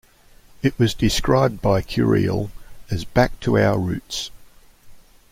It was described by Curiel as Back to our roots.